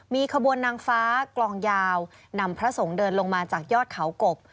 มีขบวนนางฟ้ากลองยาวนำพระสงฆ์เดินลงมาจากยอดเขากบ